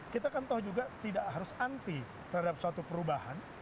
kita kan tahu juga tidak harus anti terhadap suatu perubahan